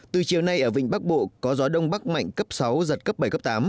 từ chiều nay ở vịnh bắc bộ có gió đông bắc mạnh cấp sáu giật cấp bảy cấp tám